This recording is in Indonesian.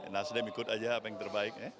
nasdem ikut aja apa yang terbaik ya